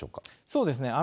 そうですね。